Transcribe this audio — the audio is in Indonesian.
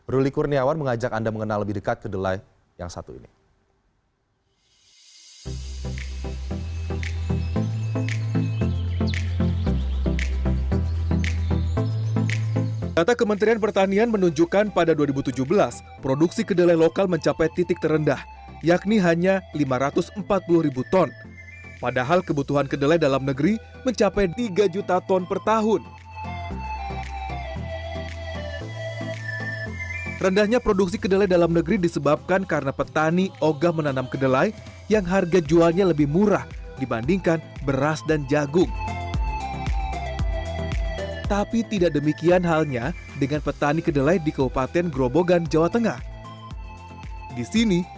ruli kurniawan mengajak anda mengenal lebih dekat kedelai yang satu ini